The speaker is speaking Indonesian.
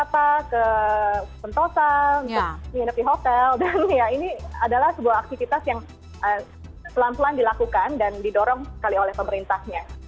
wisata ke sentosa untuk menginap di hotel dan ya ini adalah sebuah aktivitas yang pelan pelan dilakukan dan didorong sekali oleh pemerintahnya